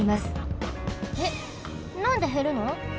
えっなんでへるの？